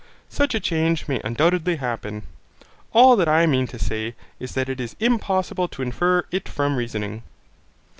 Such a change may undoubtedly happen. All that I mean to say is that it is impossible to infer it from reasoning.